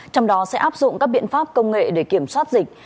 trong đó sẽ áp dụng các biện pháp công nghệ để kiểm soát dịch